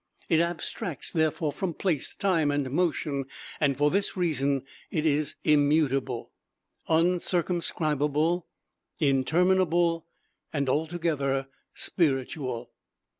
It abstracts therefore from place, time, and motion; and for this reason it is immutable, uncircumscribable, interminable, and altogether spiritual.